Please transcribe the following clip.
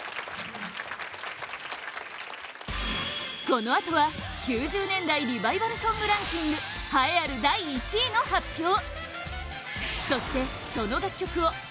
このあとは、９０年代リバイバルソングランキング栄えある第１位の発表